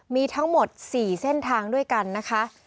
มีทั้งหมด๔เส้นทางด้วยกันนะคะ